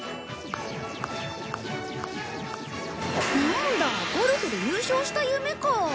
なんだゴルフで優勝した夢か。